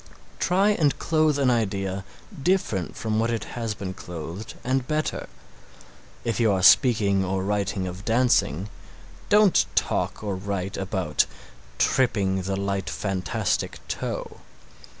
Try and clothe an idea different from what it has been clothed and better. If you are speaking or writing of dancing don't talk or write about "tripping the light fantastic toe."